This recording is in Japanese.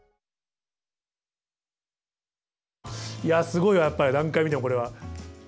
いやすごいわやっぱり何回見てもこれは。